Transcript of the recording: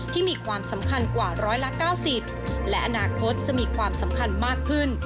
มีความสำคัญกว่าร้อยละ๙๐และอนาคตจะมีความสำคัญมากขึ้น